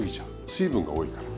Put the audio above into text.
水分が多いから。